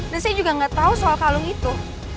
dan saya juga gak tahu soal kalung itu